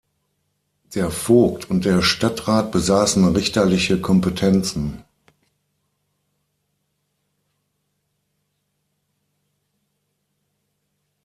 Der Vogt und der Stadtrat besaßen richterliche Kompetenzen.